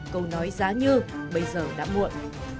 câu nói giá như bây giờ đã muộn